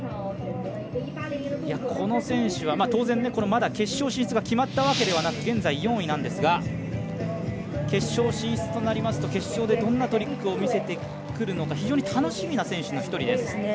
この選手は、当然まだ決勝進出が決まったわけではなく現在４位なんですが決勝進出となりますと決勝でどんなトリックを見せてくるのか、非常に楽しみな選手の１人です。